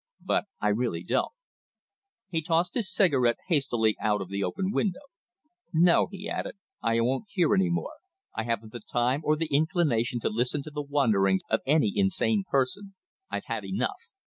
But I really don't." He tossed his cigarette hastily out of the open window. "No," he added. "I won't hear any more. I haven't the time or the inclination to listen to the wanderings of any insane person. I've had enough!"